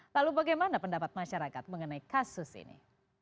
lalu bagaimana pendapat masyarakat mengenai kasus ini